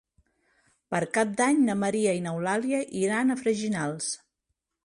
Per Cap d'Any na Maria i n'Eulàlia iran a Freginals.